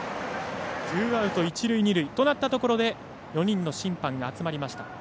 ツーアウト、一塁、二塁となったところで４人の審判が集まりました。